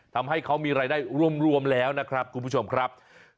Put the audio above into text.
ทำให้เขามีรายได้รวมแล้วนะครับคุณผู้ชมครับ